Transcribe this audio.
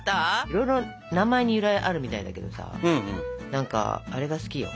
いろいろ名前に由来あるみたいだけどさ何かあれが好きよ。